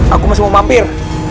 aku masih mau mampir